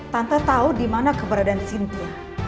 tante tahu dimana keberadaan cynthia